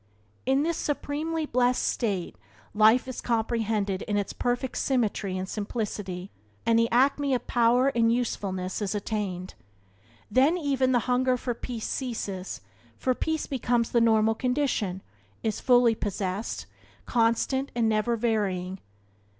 In this supremely blessed state life is comprehended in its perfect symmetry and simplicity and the acme of power and usefulness is attained. Then even the hunger for peace ceases, for peace becomes the normal condition, is fully possessed, constant and never varying.